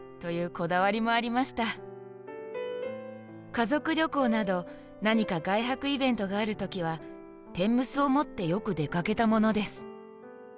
「家族旅行など何か外泊イベントがあるときは、天むすを持ってよく出かけたものです。